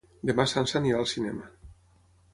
Demà na Sança anirà al cinema.